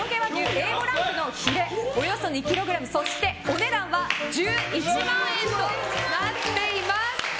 Ａ５ランクのヒレおよそ２ｋｇそしてお値段は１１万円となっています。